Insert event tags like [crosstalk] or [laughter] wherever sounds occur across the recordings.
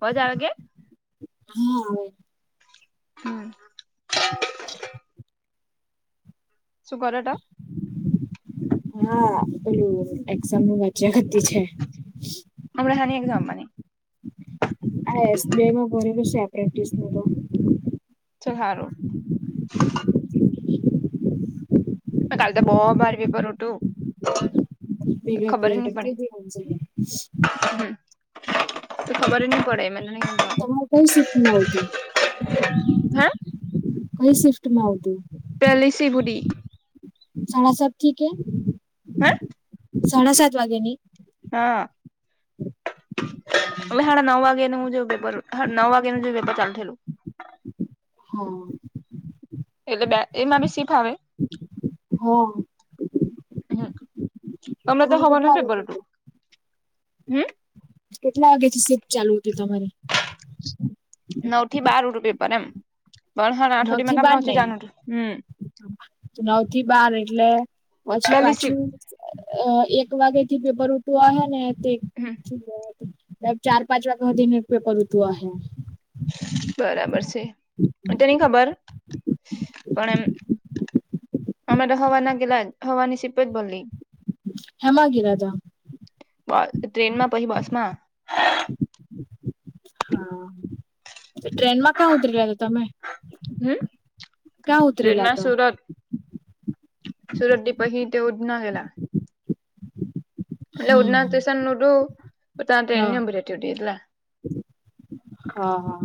અવાજ આવે કે? આવે હમ [inaudible] શું ઘ હા પેલું એક્ઝામ નું વાચ્યા કરતી છે હમણાં હાની એક્ઝામ આની [unintelligible] તો ચલ હારું કાલ તો બૌ ભારી [unintelligible] હટું પીગા [unintelligible] કરતી [inaudible] હમ તો ખબર નહી પડે મને ની તમાર કઈ સીટ મા આવતી? હે કઈ શિફ્ટમાં આવતું? પલીસી બુડી સાડા સાત ઠીકે હે? સાડા સાત વાગેની? હા-હાણા નવ વાગેનું પેપર નવ વાગયા નું જે પેપર ચાલુ થયલું હા એટલે બે, એમાં બી શીફ આવે? હા હમ તમરે તો તમારે હવારનો કેટલા વાગે વેપારટું, હમ? કેટલા વાગે થી સિપ ચાલુ હતી તમારી? નવ થી બાર હતું વેપાર એમ પણ નવ થી બાર ને હારાઆઠ [unintelligible] હમ નવ થી બાર એટલે પછી પેલી પાછું શિફ્ટ અ એક વાગે થી પેપર ઉઠું અહે ને તે હમ બ ચાર પાંચ વાગા હુદી એક પેપર ઉતું અહે બરાબર છે તો નઈ ખબર પણ એમ અમે તો હવાર ના ગયલાજ હરવાની સિપ જ બનલી હેમાં ગેલા તા બ ટ્રેનમાં પછી બસ માં હા ટ્રેનમાં ક્યાં ઉતરી રહ્યા હતા તમે? હમ? કા ઉતરેલા ટ્રેનમાં તા સુરત સુરતદી પહી તે ઉધના ગેલા એટલે હમ ઉડના સ્ટેશન ઉડું પણ ત્યા ટ્રેન હા ની ઉભી રેતી તી એટલે હા હા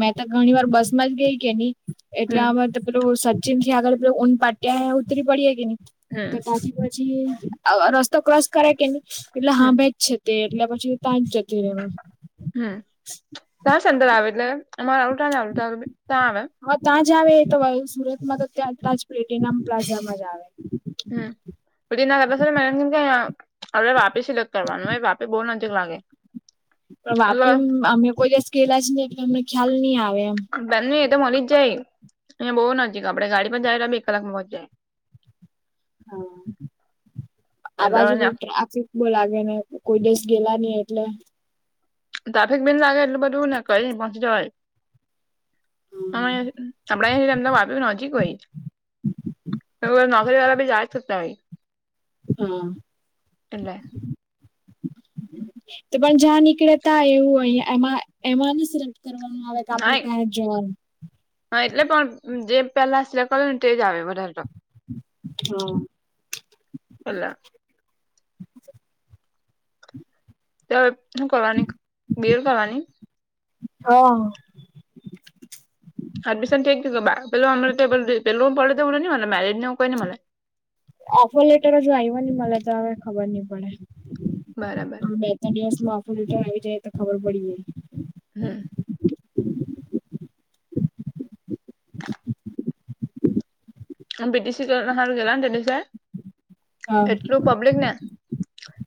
મેં તો ઘણી વાર બસ માં જ ગઈ કે ની એટલે હમ અમે તો પેલું સચિન થી આગળ પે ઊંન પાટ્યા ઉતરી પડીે કે ની હમ તો તાથી પછી અ રસ્તો ક્રોસ કરે કે નહી એટલે હમ હા બેજ છે તે એટલે પછી તંજ જતી રેવ આમ સંદર આવે એટલે અમારે આવુતાા ને આવુ ત્યાં આવે હા ત્યાં આવે તો સુરતમાં તો ત્યાંલા જ પ્લેટીનામ પ્લાઝામાં જ આવે હમ [unintelligible] વાપે સિલેક્ટ કરવાનું વાપે બહુ નજ લાગે પણ એટલે વાપી અમે કોઈ ગયેલા જ ની એટલે અમને ખ્યાલ નહી આવે એમ બંધવી મળી જ જાય અહીયા બહુ નજીક આપડે ગાડી પર જાય તો બે કલાક મો જાય હા અવાજ ઉપર એટલે ટ્રાફિક બો લાગે ને કોઈ દિવસ ગેલા નહી એટલે ટ્રાફિક બીક લાગે એટલું બધુંને કઈ પહોંચ જવાય ના એમના વાપી નજીક હોય ધની વાર બી જાય ન હા તો પણ જ્યાં નીકળે તા એવું હોય એમાં એમાં ન કરવાનું આવે કે આપડે નહી ત્યાં જવાનું હા એટલે પણ જે પેલા સિલેકટ કરે ને તેજ આવે વધારે હા પેલા તું કરવાની બિલ કરવાની હા એડમિશન કઇ થઈ પેલુ પડે મેરિડ નું એવું કઇ ની મને ઓફર લેટર જો આવ હો ને મને તો હવે ખબર નહી પડે બરાબર હા બે ત્રણ દિવસ ઓફરરલેટર આવી જાય તો ખબર પડી જાય હમ હમ પીટીસી સારું પેલા ને દે તે હા એટલું પબ્લિક ને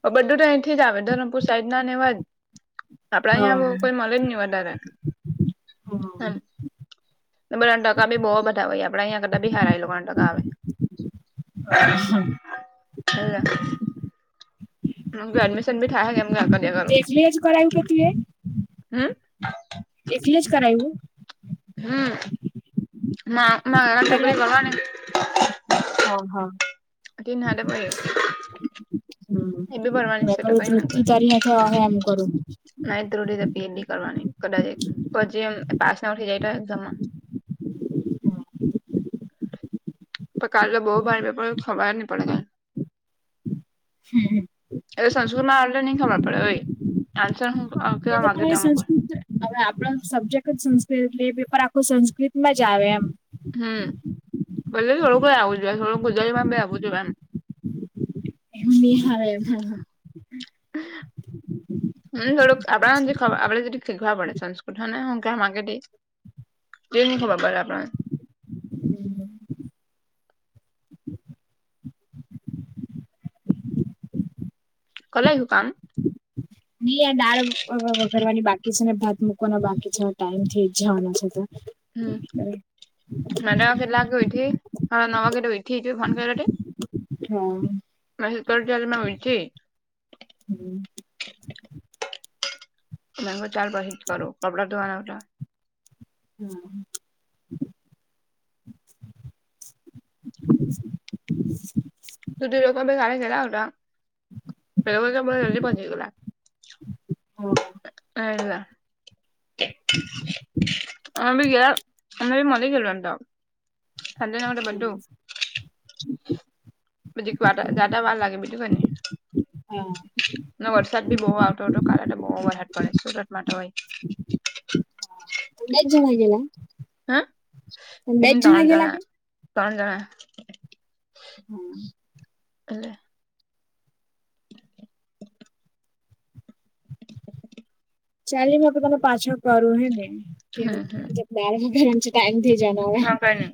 હ બધું તો અહીંથી જ આવે ધરમપુર સાઈડ ના ને એવા જ આપડા અહી કોઈ હા મળલેેજ નહી વધારે હા હ બા ટકા ભી બહ બધા હોય આપડે યા કરતા બી સારા હોય એ લોકો ટકા હા આવે હ એડમિશન બી થાય એમ કે તે એકલી જ કરાયું કે હમ એટલે જ કરાવયું હમ ના ના આ અત્યારે છોકરી વહા નથી હા હા તીન સાથે પડ્યું હમ કહયુ તૃપ્તી તારી હાથે હશે એમ કરું રીતે પીએચડી કરવાની કદાચ પછી પાસ ના ઉઠી જાય તો એઝામમાં હા પણ કાલે તો બહુ ભાર પેપ ખબર નહી પડતા હમ એ સંસ્કૃત માં આટલે નહી ખબર પડે હો આન્સર એ કેવા તો માંગે તે પણ એ અમુક વાર સંસ્કૃત હવે આપડ સબ્જેક્ટ જ સં એટ એ પેપર આખું સંસ્કૃત માં જ આવે એમ હમ ભલે થોડું કઈ આવું જોઈએ થોડું ગુજરારીમાં પણ આવું જોઈએ એમ એમ ની હા હ હ. હમ થોડુંક આપ જે ખ આપળ જે શીખવા પડેપણ સંસ્કૃત હોને હકે કે તેની ખબર ની પડે આપણને [inaudible] કર લખ્યું કામ? નહી આ દાળ વ વ વધારવાની બાકી છે, ને ભાત મૂકવાનો બાકી છે, ટાઈમ થી જવાનો છે તો હમ મેડમ કેટલા વાગે ઉયઠી હા નવ વાગે તો ઉયઠિ તો ફોન કર્યો તે હા ન કરજાલ ના હોય છે. [inaudible] મેંગો ચાલ બાજુ કરો કપડા ધોવા ના હતા [inaudible] [inaudible] બેલોગ [unintelligible] જલ્દી પહોંચી ગયા. હા. [unintelligible] [inaudible] અમે બી ગયા અનેમે ભી મલી ગાયેલા હતા. હજના તો બધું પછી ક જાદા વાળ લાગે બીજું કઈ હા નહિ અને વરસાદ બી બહુ આવતો હતો કારાણ બહુ વરસાદ પડે સુરતમાં તો હો બેજ જ જણા ગેલા. હા? બેચ જના ગેલા કે? ત્રણ જણા. હા હલે. ચાલે મે તને પાછા કરું હે ને કે હમ હમ [unintelligible] હા કે ને